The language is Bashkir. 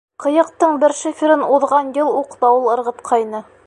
Ҡыйыҡтың бер шиферын уҙған йыл уҡ дауыл ырғытҡайны.